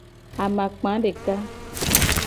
Amakpa deka.